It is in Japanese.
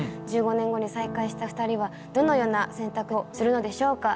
１５年後に再会した２人はどのような選択をするのでしょうか。